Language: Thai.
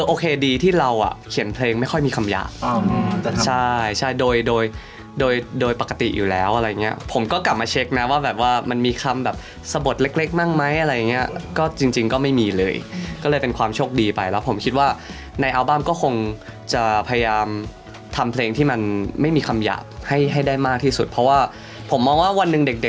โอเคดีที่เราอ่ะเขียนเพลงไม่ค่อยมีคำหยาบแต่ใช่ใช่โดยโดยโดยโดยปกติอยู่แล้วอะไรอย่างเงี้ยผมก็กลับมาเช็คนะว่าแบบว่ามันมีคำแบบสะบดเล็กบ้างไหมอะไรอย่างเงี้ยก็จริงก็ไม่มีเลยก็เลยเป็นความโชคดีไปแล้วผมคิดว่าในอัลบั้มก็คงจะพยายามทำเพลงที่มันไม่มีคำหยาบให้ให้ได้มากที่สุดเพราะว่าผมมองว่าวันหนึ่งเด็ก